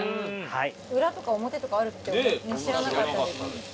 裏とか表とかあるって知らなかったです。